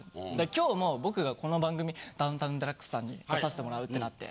今日も僕がこの番組『ダウンタウンＤＸ』さんに出させてもらうってなって。